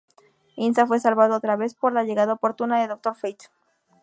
Inza fue salvado otra vez por la llegada oportuna de Doctor Fate.